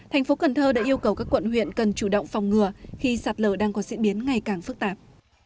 thành phố cần thơ đã yêu cầu các quận huyện cần chủ động phòng ngừa khi sạt lở đang có diễn biến ngày càng phức tạp